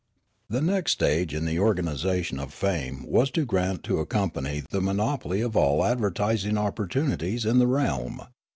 The next stage in the organisation of fame was to grant to a company the monopoly of all advertising opportunities in the realm.